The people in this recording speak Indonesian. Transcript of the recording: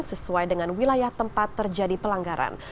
sesuai dengan wilayah tempat terjadi pelanggaran